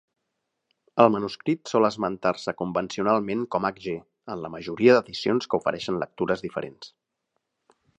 El manuscrit sol esmentar-se convencionalment com Hg en la majoria d'edicions que ofereixen lectures diferents.